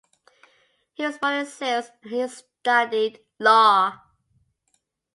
He was born in Serres and he studied law.